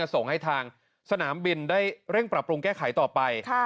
ส่งให้ทางสนามบินได้เร่งปรับปรุงแก้ไขต่อไป